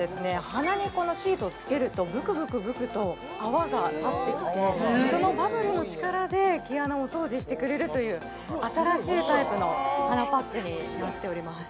鼻にこのシートをつけるとブクブクブクと泡が立ってきてえっそのバブルの力で毛穴を掃除してくれるという新しいタイプの鼻パッチになっております